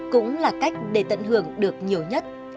cũng là cách để tận hưởng được nhiều nhất